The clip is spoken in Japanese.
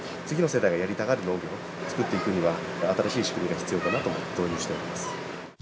次の世代がやりたがる農業を作っていくには新しい仕組みが必要かなと思って導入しております。